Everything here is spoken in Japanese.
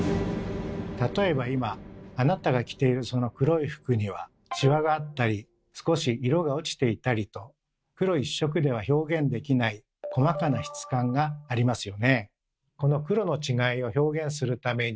例えば今あなたが着ているその黒い服にはシワがあったり少し色が落ちていたりと黒一色では表現できない細かな質感がありますよね。